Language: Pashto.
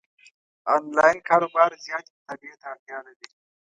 انلاین کاروبار زیاتې مطالعې ته اړتیا لري،